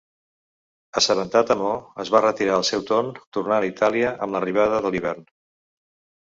Assabentant Amó, es va retirar al seu torn tornant a Itàlia amb l'arribada de l'hivern.